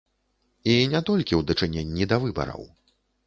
І не толькі ў дачыненні да выбараў.